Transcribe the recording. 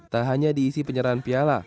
tak hanya diisi penyerahan piala